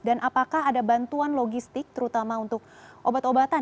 dan apakah ada bantuan logistik terutama untuk obat obatan